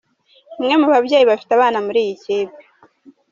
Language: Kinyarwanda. Umwe mu babyeyi bafite abana muri iyi kipe.